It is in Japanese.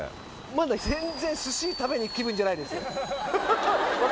まだ全然、すし食べに行く気分じゃないですよ。